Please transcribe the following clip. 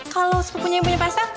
kalo sepupunya yang punya pesta